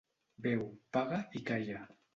Beu, paga i calla.